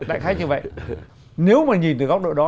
đại khách như vậy nếu mà nhìn từ góc độ đó